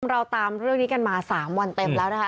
เราตามเรื่องนี้กันมา๓วันเต็มแล้วนะคะ